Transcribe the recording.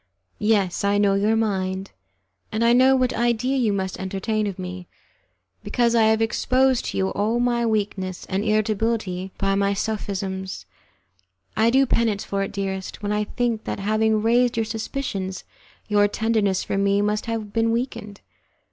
Yes, I know your mind, and I know what idea you must entertain of mine, because I have exposed to you all my weakness and irritability by my sophisms. I do penance for it, dearest, when I think that having raised your suspicions your tenderness for me must have been weakened.